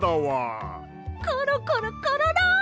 コロコロコロロ！